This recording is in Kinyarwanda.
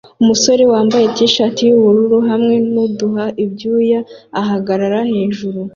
Umusore wambaye T-shirt yubururu hamwe nuduha ibyuya ahagarara hejuru